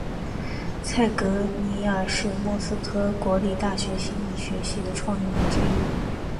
蔡格尼克是莫斯科国立大学心理学系的创立人之一。